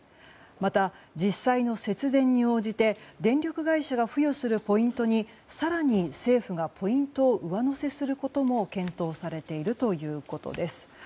また、実際の節電に応じて電力会社が付与するポイントに更に政府がポイントを上乗せすることも検討されているということです。